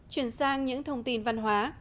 chuyển sang những thông tin văn hóa